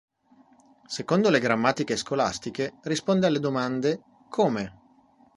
Secondo le grammatiche scolastiche, risponde alle domande "Come?